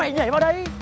mày nhảy vào đây